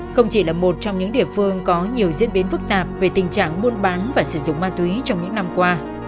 không chỉ là một trong những địa phương có nhiều diễn biến phức tạp về tình trạng buôn bán và sử dụng ma túy trong những năm qua